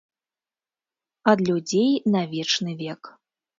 Ад людзей на вечны век.